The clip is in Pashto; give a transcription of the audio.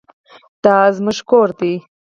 دا زموږ کور دی؟